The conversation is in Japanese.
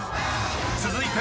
［続いて］